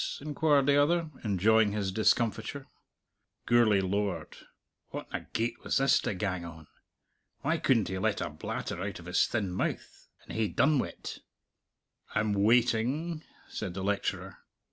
inquired the other, enjoying his discomfiture. Gourlay lowered. "Whatna gate was this to gang on? Why couldn't he let a blatter out of his thin mouth, and ha' done wi't?" "I'm waiting!" said the lecturer.